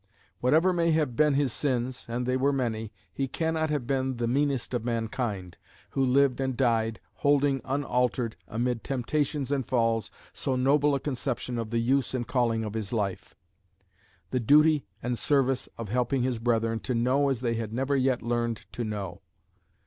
Whatever may have been his sins, and they were many, he cannot have been the "meanest of mankind," who lived and died, holding unaltered, amid temptations and falls, so noble a conception of the use and calling of his life: the duty and service of helping his brethren to know as they had never yet learned to know.